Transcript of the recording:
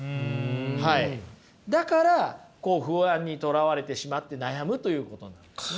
だからこう不安にとらわれてしまって悩むということなんですね。